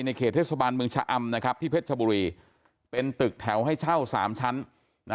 เขตเทศบาลเมืองชะอำนะครับที่เพชรชบุรีเป็นตึกแถวให้เช่า๓ชั้นนะ